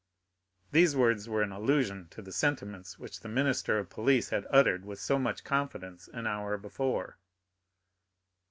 These words were an allusion to the sentiments which the minister of police had uttered with so much confidence an hour before.